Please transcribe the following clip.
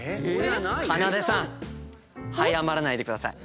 かなでさん早まらないでください。